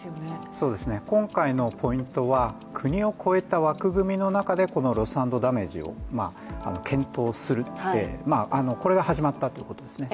そうですね、今回のポイントは国を超えた枠組みの中でこのロス＆ダメージを検討する、これが始まったということですね。